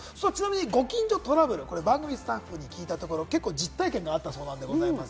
ちなみにご近所トラブル、番組スタッフに聞いたところ、結構、実体験があったそうです。